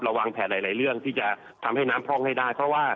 วางแผนหลายเรื่องที่จะทำให้น้ำพร่องให้ได้เพราะว่า